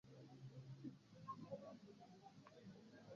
Uganda yabakia kwenye kiwango cha kipato cha chini Benki ya Dunia yasema